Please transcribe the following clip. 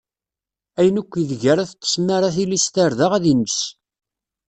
Ayen akk ideg ara teṭṭeṣ mi ara tili s tarda, ad inǧes.